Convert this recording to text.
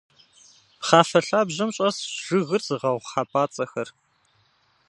Пхъафэ лъабжьэм щӏэсщ жыгыр зыгъэгъу хьэпӏацӏэхэр.